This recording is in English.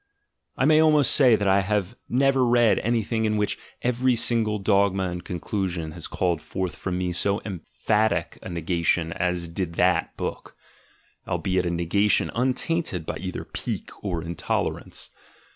I may almost say that I have never read anything in which every single dogma and conclusion has called forth from me so emphatic a negation as did that book; albeit a negation untainted by either pique or intolerance.